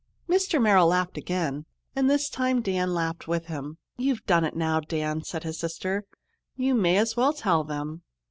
Mr. Merrill laughed again, and this time Dan laughed with him. "You've done it now, Dan," said his sister. "You may as well tell them."